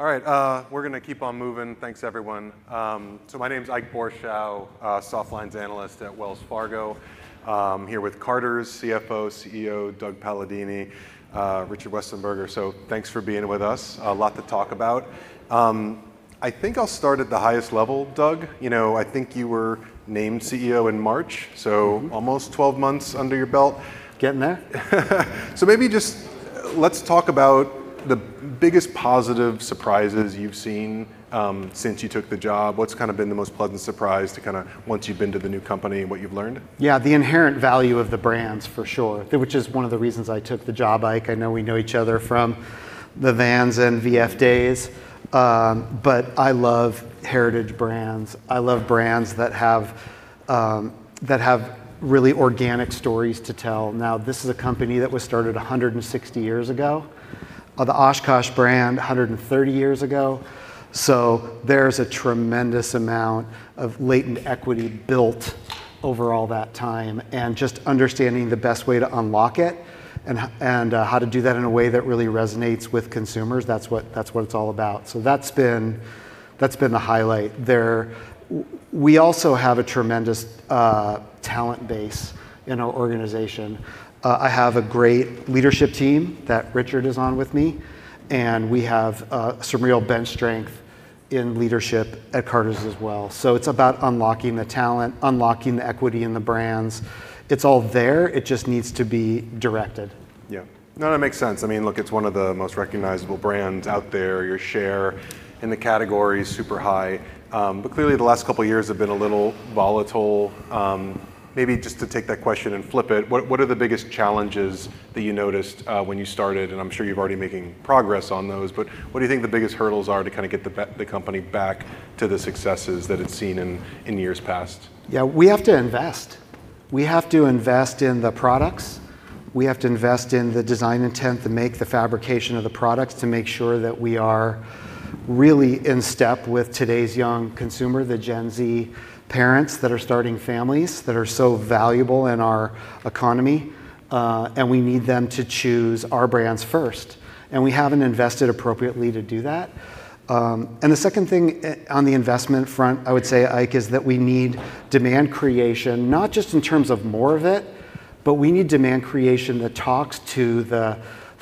All right, we're going to keep on moving. Thanks, everyone. So my name is Ike Boruchow, Softlines Analyst at Wells Fargo. I'm here with Carter's CFO, CEO Doug Palladini, Richard Westenberger. So thanks for being with us. A lot to talk about. I think I'll start at the highest level, Doug. You know, I think you were named CEO in March, so almost 12 months under your belt. Getting there. So, maybe just let's talk about the biggest positive surprises you've seen since you took the job. What's kind of been the most pleasant surprise to kind of once you've been to the new company and what you've learned? Yeah, the inherent value of the brands, for sure, which is one of the reasons I took the job, Ike. I know we know each other from the Vans and VF days, but I love heritage brands. I love brands that have really organic stories to tell. Now, this is a company that was started 160 years ago, the OshKosh brand 130 years ago, so there's a tremendous amount of latent equity built over all that time. And just understanding the best way to unlock it and how to do that in a way that really resonates with consumers, that's what it's all about, so that's been the highlight there. We also have a tremendous talent base in our organization. I have a great leadership team that Richard is on with me, and we have some real bench strength in leadership at Carter's as well. So it's about unlocking the talent, unlocking the equity in the brands. It's all there. It just needs to be directed. Yeah. No, that makes sense. I mean, look, it's one of the most recognizable brands out there. Your share in the category is super high. But clearly, the last couple of years have been a little volatile. Maybe just to take that question and flip it, what are the biggest challenges that you noticed when you started? And I'm sure you've already been making progress on those. But what do you think the biggest hurdles are to kind of get the company back to the successes that it's seen in years past? Yeah, we have to invest. We have to invest in the products. We have to invest in the design intent to make the fabrication of the products to make sure that we are really in step with today's young consumer, the Gen Z parents that are starting families that are so valuable in our economy. And we need them to choose our brands first. And we haven't invested appropriately to do that. And the second thing on the investment front, I would say, Ike, is that we need demand creation, not just in terms of more of it, but we need demand creation that talks to the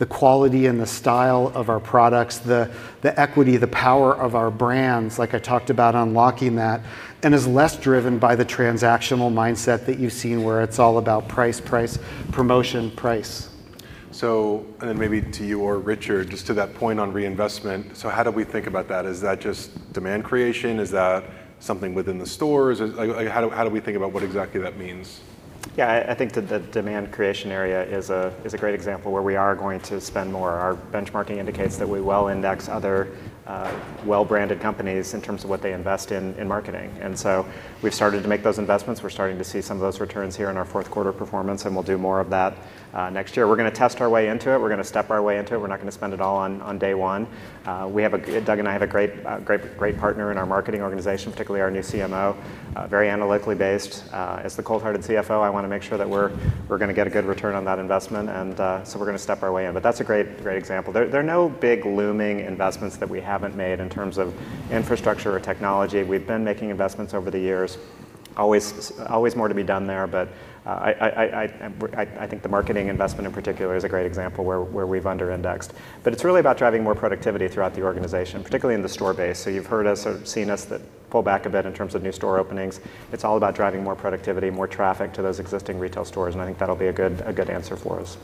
quality and the style of our products, the equity, the power of our brands, like I talked about, unlocking that. And it's less driven by the transactional mindset that you've seen where it's all about price, price, promotion, price. So then maybe to you or Richard, just to that point on reinvestment, so how do we think about that? Is that just demand creation? Is that something within the stores? How do we think about what exactly that means? Yeah, I think that the demand creation area is a great example where we are going to spend more. Our benchmarking indicates that we well-index other well-branded companies in terms of what they invest in marketing. And so we've started to make those investments. We're starting to see some of those returns here in our fourth quarter performance. And we'll do more of that next year. We're going to test our way into it. We're going to step our way into it. We're not going to spend it all on day one. Doug and I have a great partner in our marketing organization, particularly our new CMO, very analytically based. As the cold-hearted CFO, I want to make sure that we're going to get a good return on that investment. And so we're going to step our way in. But that's a great example. There are no big looming investments that we haven't made in terms of infrastructure or technology. We've been making investments over the years. Always more to be done there. But I think the marketing investment in particular is a great example where we've under-indexed. But it's really about driving more productivity throughout the organization, particularly in the store base. So you've heard us or seen us pull back a bit in terms of new store openings. It's all about driving more productivity, more traffic to those existing retail stores. And I think that'll be a good answer for us.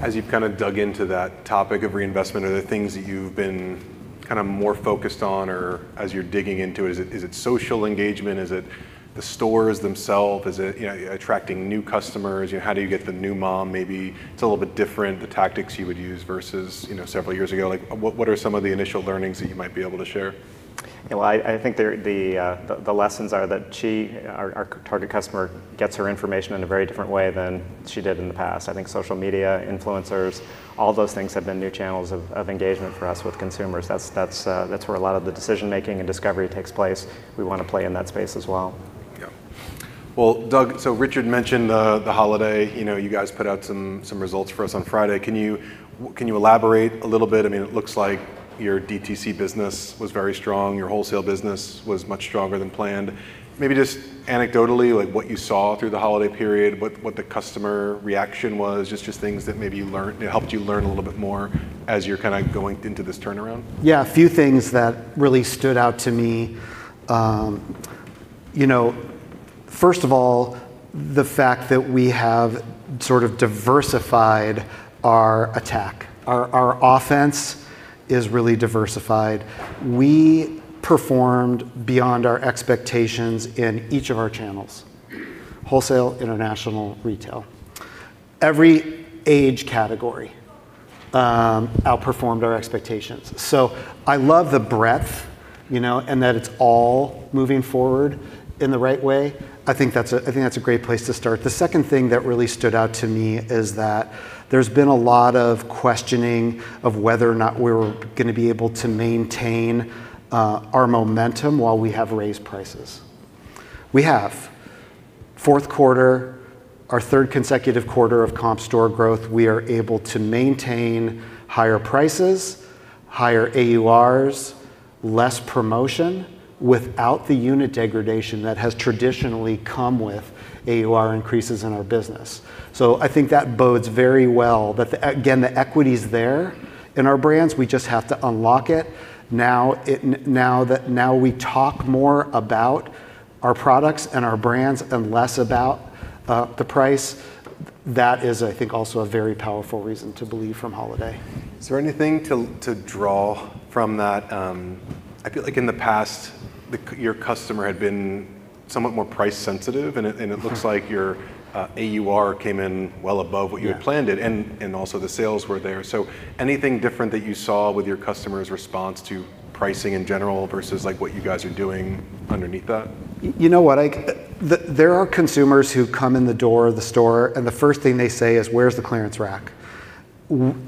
As you've kind of dug into that topic of reinvestment, are there things that you've been kind of more focused on or as you're digging into it, is it social engagement? Is it the stores themselves? Is it attracting new customers? How do you get the new mom? Maybe it's a little bit different, the tactics you would use versus several years ago. What are some of the initial learnings that you might be able to share? Yeah, well, I think the lessons are that our target customer gets her information in a very different way than she did in the past. I think social media, influencers, all those things have been new channels of engagement for us with consumers. That's where a lot of the decision-making and discovery takes place. We want to play in that space as well. Yeah. Well, Doug, so Richard mentioned the holiday. You guys put out some results for us on Friday. Can you elaborate a little bit? I mean, it looks like your DTC business was very strong. Your wholesale business was much stronger than planned. Maybe just anecdotally, what you saw through the holiday period, what the customer reaction was, just things that maybe helped you learn a little bit more as you're kind of going into this turnaround? Yeah, a few things that really stood out to me. First of all, the fact that we have sort of diversified our attack. Our offense is really diversified. We performed beyond our expectations in each of our channels, wholesale, international, retail. Every age category outperformed our expectations. So I love the breadth and that it's all moving forward in the right way. I think that's a great place to start. The second thing that really stood out to me is that there's been a lot of questioning of whether or not we were going to be able to maintain our momentum while we have raised prices. We have. Fourth quarter, our third consecutive quarter of comp store growth, we are able to maintain higher prices, higher AURs, less promotion without the unit degradation that has traditionally come with AUR increases in our business. So I think that bodes very well that, again, the equity is there in our brands. We just have to unlock it. Now we talk more about our products and our brands and less about the price. That is, I think, also a very powerful reason to believe from holiday. Is there anything to draw from that? I feel like in the past, your customer had been somewhat more price sensitive. And it looks like your AUR came in well above what you had planned. And also the sales were there. So anything different that you saw with your customer's response to pricing in general versus what you guys are doing underneath that? You know what, Ike, there are consumers who come in the door of the store. And the first thing they say is, "Where's the clearance rack?"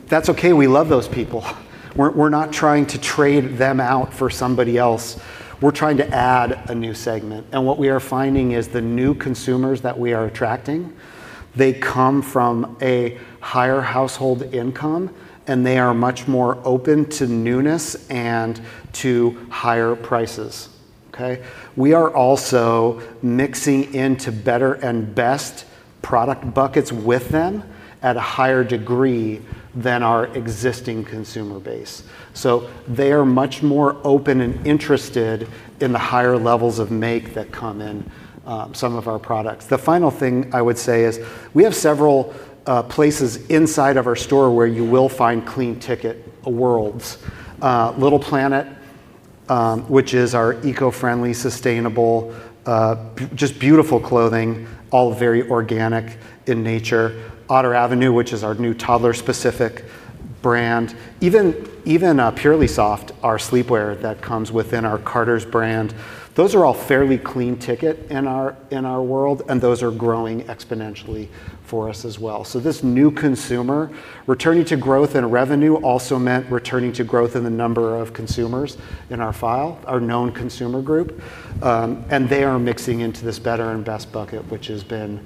That's OK. We love those people. We're not trying to trade them out for somebody else. We're trying to add a new segment. And what we are finding is the new consumers that we are attracting, they come from a higher household income. And they are much more open to newness and to higher prices. We are also mixing into better and best product buckets with them at a higher degree than our existing consumer base. So they are much more open and interested in the higher levels of make that come in some of our products. The final thing I would say is we have several places inside of our store where you will find clean ticket worlds. Little Planet, which is our eco-friendly, sustainable, just beautiful clothing, all very organic in nature. Otter Avenue, which is our new toddler-specific brand. Even Purely Soft, our sleepwear that comes within our Carter's brand, those are all fairly clean ticket in our world, and those are growing exponentially for us as well, so this new consumer returning to growth in revenue also meant returning to growth in the number of consumers in our file, our known consumer group, and they are mixing into this better and best bucket, which has been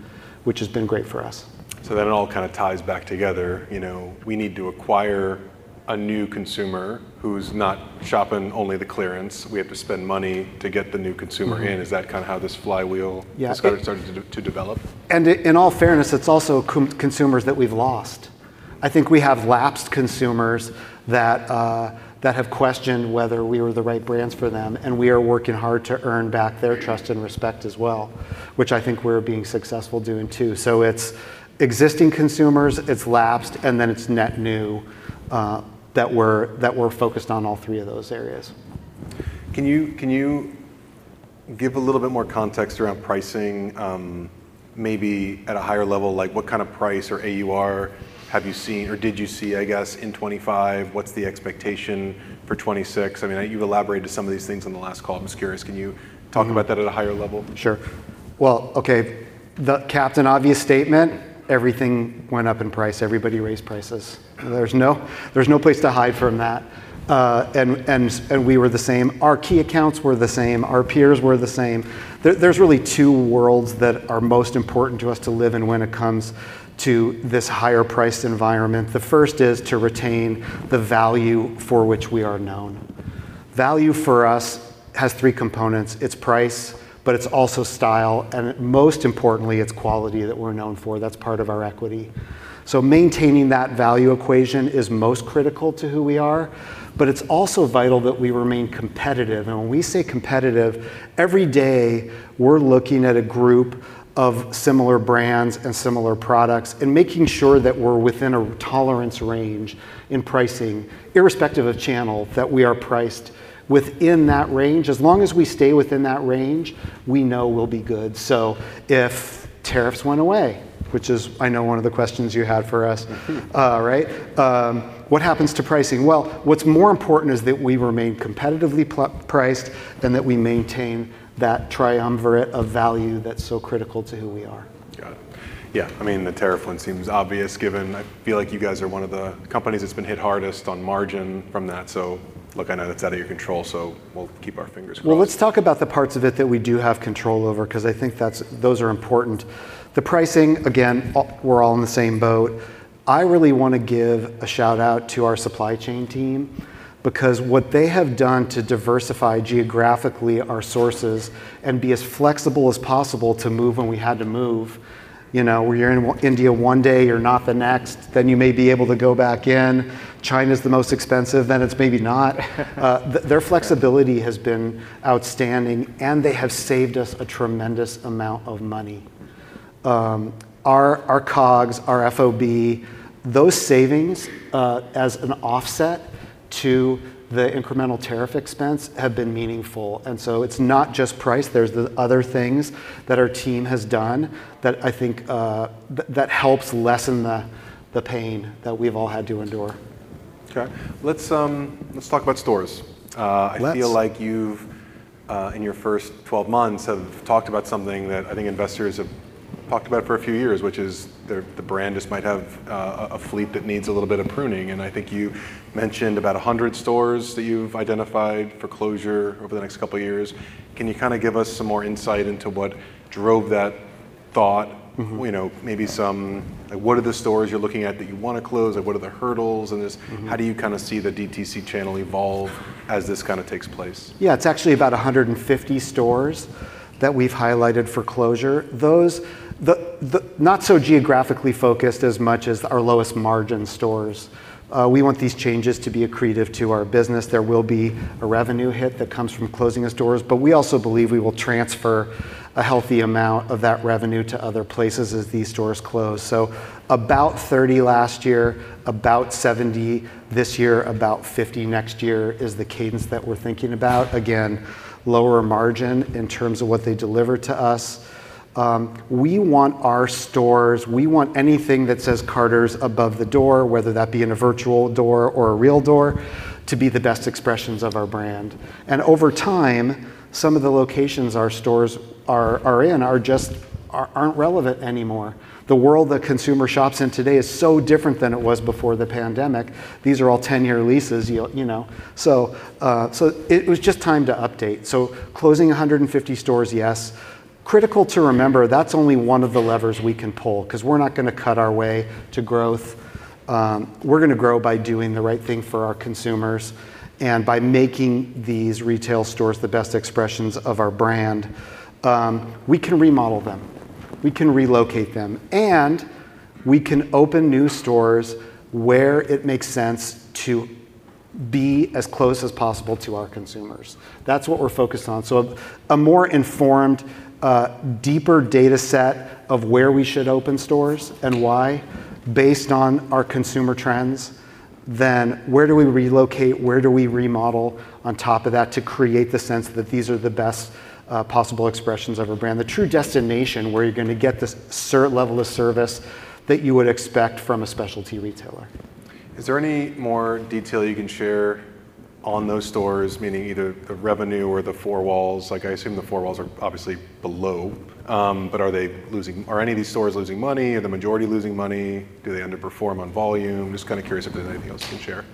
great for us. That all kind of ties back together. We need to acquire a new consumer who's not shopping only the clearance. We have to spend money to get the new consumer in. Is that kind of how this flywheel started to develop? And in all fairness, it's also consumers that we've lost. I think we have lapsed consumers that have questioned whether we were the right brands for them. And we are working hard to earn back their trust and respect as well, which I think we're being successful doing too. So it's existing consumers, it's lapsed, and then it's net new that we're focused on all three of those areas. Can you give a little bit more context around pricing, maybe at a higher level? What kind of price or AUR have you seen or did you see, I guess, in 2025? What's the expectation for 2026? I mean, you've elaborated some of these things on the last call. I'm just curious. Can you talk about that at a higher level? Sure, well, OK, the Captain Obvious statement, everything went up in price. Everybody raised prices. There's no place to hide from that. And we were the same. Our key accounts were the same. Our peers were the same. There's really two worlds that are most important to us to live in when it comes to this higher-priced environment. The first is to retain the value for which we are known. Value for us has three components. It's price, but it's also style. And most importantly, it's quality that we're known for. That's part of our equity. So maintaining that value equation is most critical to who we are. But it's also vital that we remain competitive. When we say competitive, every day we're looking at a group of similar brands and similar products and making sure that we're within a tolerance range in pricing, irrespective of channel, that we are priced within that range. As long as we stay within that range, we know we'll be good. If tariffs went away, which is, I know, one of the questions you had for us, right, what happens to pricing? What's more important is that we remain competitively priced and that we maintain that triumvirate of value that's so critical to who we are. Got it. Yeah, I mean, the tariff one seems obvious given I feel like you guys are one of the companies that's been hit hardest on margin from that. So look, I know that's out of your control. So we'll keep our fingers crossed. Let's talk about the parts of it that we do have control over because I think those are important. The pricing, again, we're all in the same boat. I really want to give a shout-out to our supply chain team because what they have done to diversify geographically our sources and be as flexible as possible to move when we had to move. You're in India one day. You're not the next. Then you may be able to go back in. China's the most expensive. Then it's maybe not. Their flexibility has been outstanding. They have saved us a tremendous amount of money. Our COGS, our FOB, those savings as an offset to the incremental tariff expense have been meaningful. So it's not just price. There's the other things that our team has done that I think helps lessen the pain that we've all had to endure. Let's talk about stores. I feel like you've, in your first 12 months, talked about something that I think investors have talked about for a few years, which is the brand just might have a fleet that needs a little bit of pruning, and I think you mentioned about 100 stores that you've identified for closure over the next couple of years. Can you kind of give us some more insight into what drove that thought? Maybe some what are the stores you're looking at that you want to close? What are the hurdles, and how do you kind of see the DTC channel evolve as this kind of takes place? Yeah, it's actually about 150 stores that we've highlighted for closure, those not so geographically focused as much as our lowest margin stores. We want these changes to be accretive to our business. There will be a revenue hit that comes from closing the stores, but we also believe we will transfer a healthy amount of that revenue to other places as these stores close, so about 30 last year, about 70 this year, about 50 next year is the cadence that we're thinking about. Again, lower margin in terms of what they deliver to us. We want our stores, we want anything that says Carter's above the door, whether that be in a virtual door or a real door, to be the best expressions of our brand, and over time, some of the locations our stores are in just aren't relevant anymore. The world that consumer shops in today is so different than it was before the pandemic. These are all 10-year leases. So it was just time to update. So closing 150 stores, yes. Critical to remember, that's only one of the levers we can pull because we're not going to cut our way to growth. We're going to grow by doing the right thing for our consumers and by making these retail stores the best expressions of our brand. We can remodel them. We can relocate them. And we can open new stores where it makes sense to be as close as possible to our consumers. That's what we're focused on. So a more informed, deeper data set of where we should open stores and why based on our consumer trends, then where do we relocate? Where do we remodel on top of that to create the sense that these are the best possible expressions of our brand? The true destination where you're going to get this level of service that you would expect from a specialty retailer. Is there any more detail you can share on those stores, meaning either the revenue or the four walls? I assume the four walls are obviously below. But are any of these stores losing money? Are the majority losing money? Do they underperform on volume? Just kind of curious if there's anything else you can share.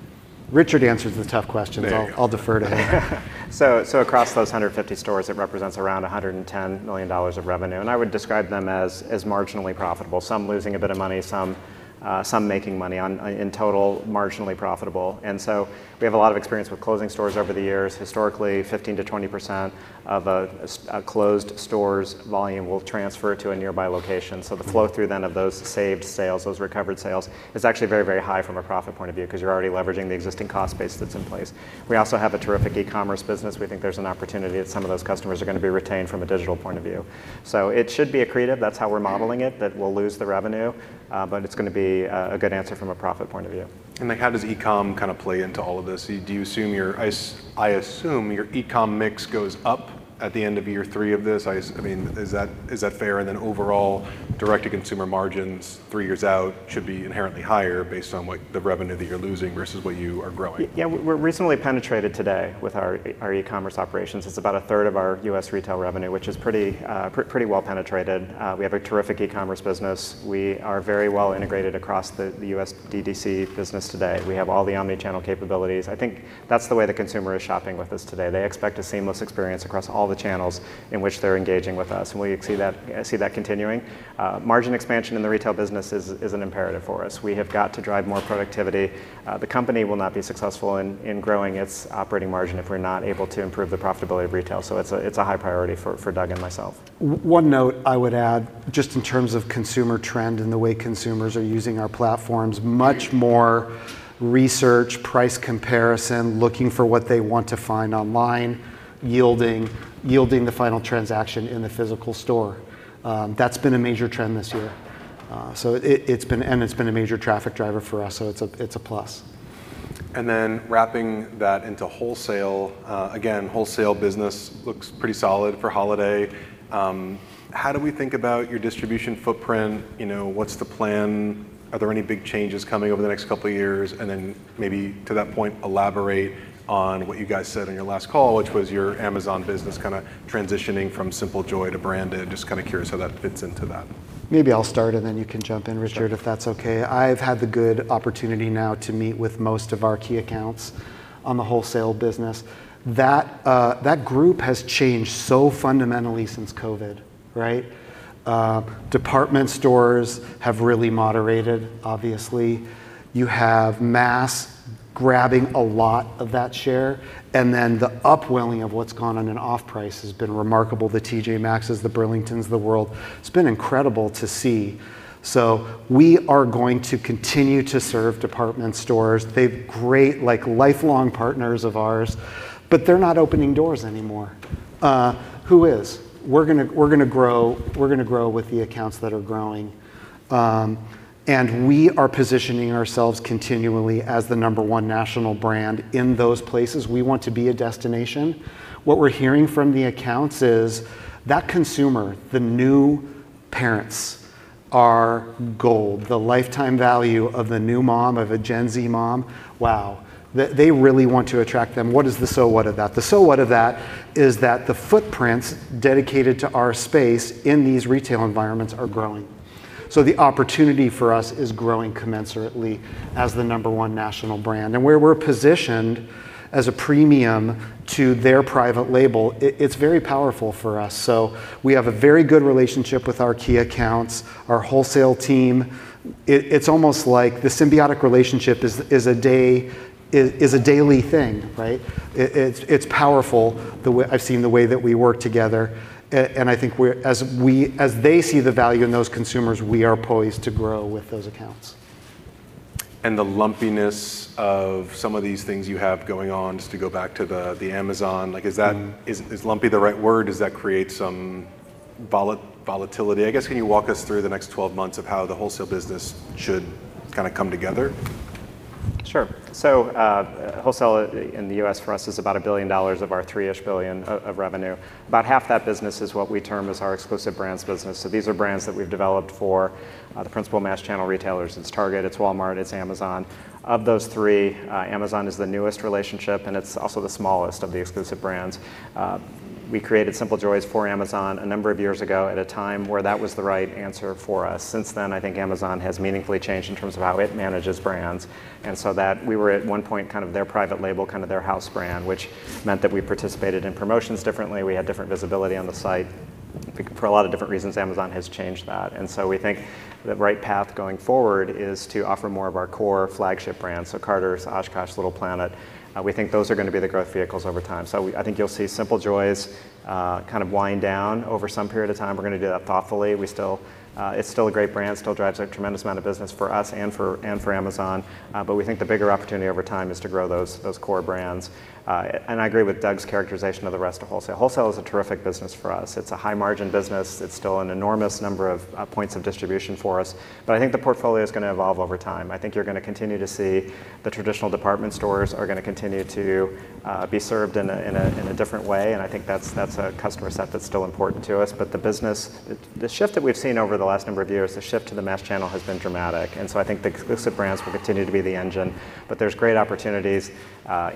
Richard answers the tough questions. I'll defer to him. So across those 150 stores, it represents around $110 million of revenue. And I would describe them as marginally profitable, some losing a bit of money, some making money. In total, marginally profitable. And so we have a lot of experience with closing stores over the years. Historically, 15%-20% of a closed store's volume will transfer to a nearby location. So the flow through then of those saved sales, those recovered sales, is actually very, very high from a profit point of view because you're already leveraging the existing cost base that's in place. We also have a terrific e-commerce business. We think there's an opportunity that some of those customers are going to be retained from a digital point of view. So it should be accretive. That's how we're modeling it, that we'll lose the revenue. But it's going to be a good answer from a profit point of view. And how does e-com kind of play into all of this? I assume your e-com mix goes up at the end of year three of this. I mean, is that fair? And then overall, direct-to-consumer margins three years out should be inherently higher based on the revenue that you're losing versus what you are growing. Yeah, we're reasonably penetrated today with our e-commerce operations. It's about a third of our U.S. retail revenue, which is pretty well penetrated. We have a terrific e-commerce business. We are very well integrated across the U.S. DTC business today. We have all the omnichannel capabilities. I think that's the way the consumer is shopping with us today. They expect a seamless experience across all the channels in which they're engaging with us, and we see that continuing. Margin expansion in the retail business is an imperative for us. We have got to drive more productivity. The company will not be successful in growing its operating margin if we're not able to improve the profitability of retail, so it's a high priority for Doug and myself. One note I would add just in terms of consumer trend and the way consumers are using our platforms, much more research, price comparison, looking for what they want to find online, yielding the final transaction in the physical store. That's been a major trend this year, and it's been a major traffic driver for us, so it's a plus. And then wrapping that into wholesale, again, wholesale business looks pretty solid for holiday. How do we think about your distribution footprint? What's the plan? Are there any big changes coming over the next couple of years? And then maybe to that point, elaborate on what you guys said in your last call, which was your Amazon business kind of transitioning from Simple Joys to branded. Just kind of curious how that fits into that. Maybe I'll start, and then you can jump in, Richard, if that's OK. I've had the good opportunity now to meet with most of our key accounts on the wholesale business. That group has changed so fundamentally since COVID. Department stores have really moderated, obviously. You have mass grabbing a lot of that share, and then the upwelling of what's gone on in off-price has been remarkable. The T.J. Maxxes, the Burlingtons of the world. It's been incredible to see, so we are going to continue to serve department stores. They're great lifelong partners of ours, but they're not opening doors anymore. Who is? We're going to grow with the accounts that are growing, and we are positioning ourselves continually as the number one national brand in those places. We want to be a destination. What we're hearing from the accounts is that consumer, the new parents, are gold. The lifetime value of the new mom, of a Gen Z mom, wow. They really want to attract them. What is the so what of that? The so what of that is that the footprints dedicated to our space in these retail environments are growing. So the opportunity for us is growing commensurately as the number one national brand. And where we're positioned as a premium to their private label, it's very powerful for us. So we have a very good relationship with our key accounts, our wholesale team. It's almost like the symbiotic relationship is a daily thing. It's powerful. I've seen the way that we work together. And I think as they see the value in those consumers, we are poised to grow with those accounts. The lumpiness of some of these things you have going on, just to go back to the Amazon, is lumpy the right word? Does that create some volatility? I guess can you walk us through the next 12 months of how the wholesale business should kind of come together? Sure. So wholesale in the U.S. for us is about $1 billion of our $3 billion of revenue. About half that business is what we term as our exclusive brands business. So these are brands that we've developed for the principal mass channel retailers. It's Target. It's Walmart. It's Amazon. Of those three, Amazon is the newest relationship. And it's also the smallest of the exclusive brands. We created Simple Joys for Amazon a number of years ago at a time where that was the right answer for us. Since then, I think Amazon has meaningfully changed in terms of how it manages brands. And so we were at one point kind of their private label, kind of their house brand, which meant that we participated in promotions differently. We had different visibility on the site. For a lot of different reasons, Amazon has changed that. And so we think the right path going forward is to offer more of our core flagship brands, so Carter's, OshKosh, Little Planet. We think those are going to be the growth vehicles over time. So I think you'll see Simple Joys kind of wind down over some period of time. We're going to do that thoughtfully. It's still a great brand. It still drives a tremendous amount of business for us and for Amazon. But we think the bigger opportunity over time is to grow those core brands. And I agree with Doug's characterization of the rest of wholesale. Wholesale is a terrific business for us. It's a high-margin business. It's still an enormous number of points of distribution for us. But I think the portfolio is going to evolve over time. I think you're going to continue to see the traditional department stores are going to continue to be served in a different way, and I think that's a customer set that's still important to us. But the shift that we've seen over the last number of years, the shift to the mass channel has been dramatic, and so I think the exclusive brands will continue to be the engine. But there's great opportunities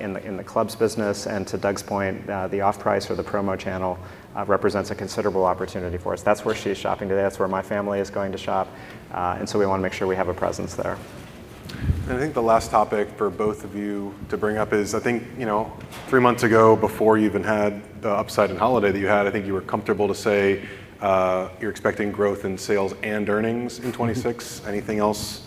in the clubs business, and to Doug's point, the off price or the promo channel represents a considerable opportunity for us. That's where she's shopping today. That's where my family is going to shop, and so we want to make sure we have a presence there. I think the last topic for both of you to bring up is I think three months ago, before you even had the upside in holiday that you had, I think you were comfortable to say you're expecting growth in sales and earnings in 2026. Anything else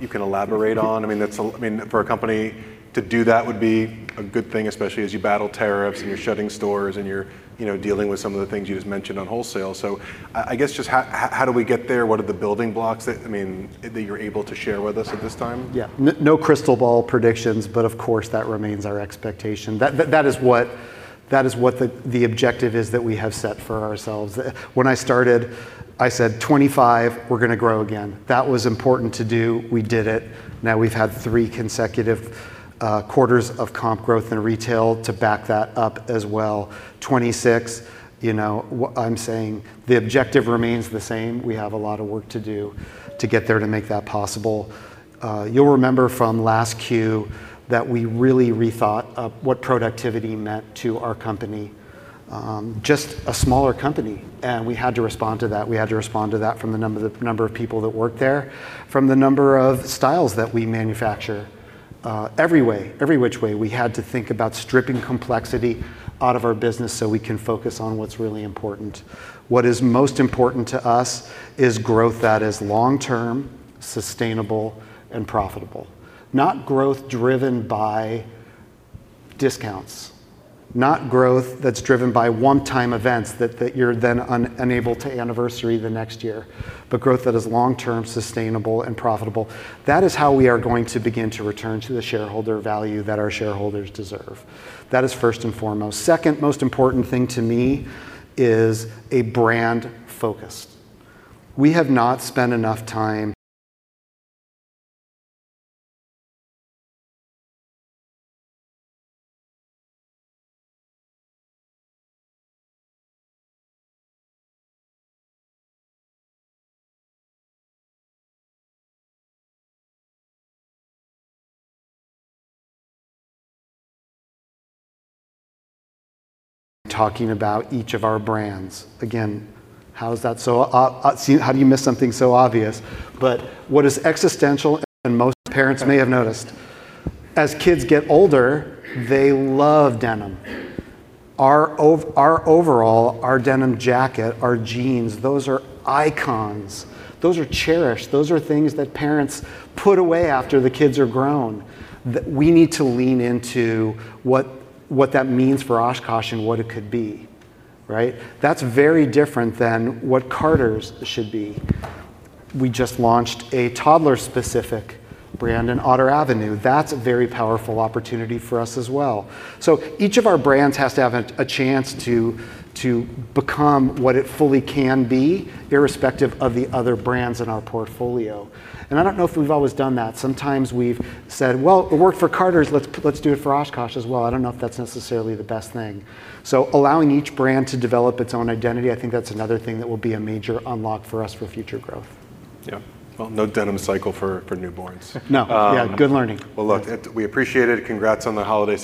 you can elaborate on? I mean, for a company to do that would be a good thing, especially as you battle tariffs and you're shutting stores and you're dealing with some of the things you just mentioned on wholesale. So I guess just how do we get there? What are the building blocks that you're able to share with us at this time? Yeah. No crystal ball predictions. But of course, that remains our expectation. That is what the objective is that we have set for ourselves. When I started, I said, "25, we're going to grow again." That was important to do. We did it. Now we've had three consecutive quarters of comp growth in retail to back that up as well. '26, I'm saying the objective remains the same. We have a lot of work to do to get there to make that possible. You'll remember from last Q that we really rethought what productivity meant to our company. Just a smaller company. And we had to respond to that. We had to respond to that from the number of people that worked there, from the number of styles that we manufacture. Every way, every which way, we had to think about stripping complexity out of our business so we can focus on what's really important. What is most important to us is growth that is long-term, sustainable, and profitable. Not growth driven by discounts. Not growth that's driven by one-time events that you're then unable to anniversary the next year. But growth that is long-term, sustainable, and profitable. That is how we are going to begin to return to the shareholder value that our shareholders deserve. That is first and foremost. Second most important thing to me is a brand focus. We have not spent enough time talking about each of our brands. Again, how is that so obvious? How do you miss something so obvious? But what is existential, and most parents may have noticed, as kids get older, they love denim. Overall, our denim jacket, our jeans, those are icons. Those are cherished. Those are things that parents put away after the kids are grown. We need to lean into what that means for OshKosh and what it could be. That's very different than what Carter's should be. We just launched a toddler-specific brand in Otter Avenue. That's a very powerful opportunity for us as well. So each of our brands has to have a chance to become what it fully can be, irrespective of the other brands in our portfolio. And I don't know if we've always done that. Sometimes we've said, "Well, it worked for Carter's. Let's do it for OshKosh as well." I don't know if that's necessarily the best thing. So allowing each brand to develop its own identity, I think that's another thing that will be a major unlock for us for future growth. Yeah. Well, no denim cycle for newborns. No. Yeah, good learning. Look, we appreciate it. Congrats on the holiday.